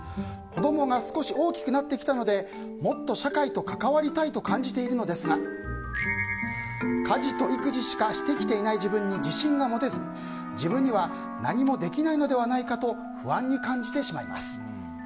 子供が少し大きくなってきたのでもっと社会と関わりたいと感じているのですが家事と育児しかしてきていない自分に自信が持てず、自分には何もできないのではないかと不安に感じてしまいます。